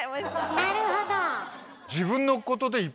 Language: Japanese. なるほど。